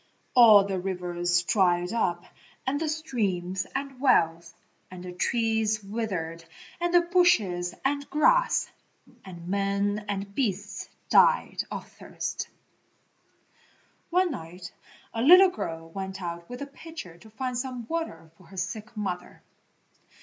All the rivers dried up and the streams and wells, and the trees withered and the bushes and grass, and men and beasts died of thirst. One night a little girl went out with a pitcher to find some water for her sick mother.